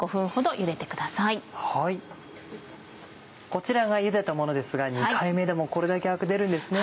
こちらがゆでたものですが２回目でもこれだけアク出るんですね。